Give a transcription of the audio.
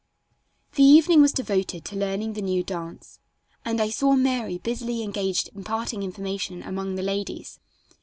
The evening was devoted to learning the new dance, and I saw Mary busily engaged imparting information among the ladies.